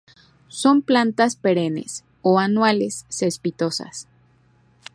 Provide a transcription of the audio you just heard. Son plantas perennes o anuales cespitosas.